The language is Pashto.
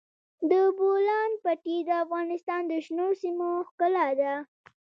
د بولان پټي د افغانستان د شنو سیمو ښکلا ده.